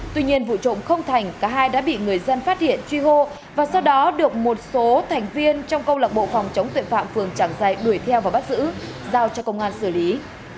tuy nhiên vụ trộm không thành cả hai đã bị người dân phát hiện truy hô và sau đó được một số thành viên trong câu lạc bộ phòng chống tội phạm phường trảng giày đuổi theo và bắt giữ giao cho công an xử lý